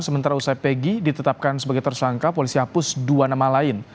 sementara usai pegi ditetapkan sebagai tersangka polisi hapus dua nama lain